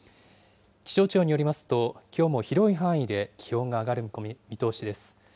気象庁によりますと、きょうも広い範囲で気温が上がる見通しです。